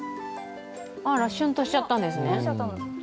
あら、しゅんとしちゃったんですね。